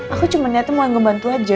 aku cuma lihatnya mau ngebantu aja